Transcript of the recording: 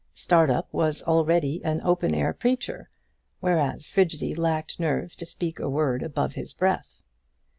Startup was already an open air preacher, whereas Frigidy lacked nerve to speak a word above his breath.